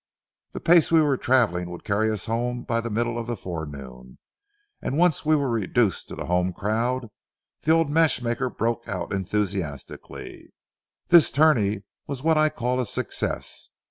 The pace we were traveling would carry us home by the middle of the forenoon, and once we were reduced to the home crowd, the old matchmaker broke out enthusiastically:— "This tourney was what I call a success.